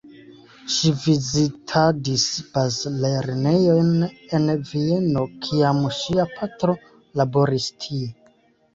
Ŝi vizitadis bazlernejon en Vieno, kiam ŝia patro laboris tie.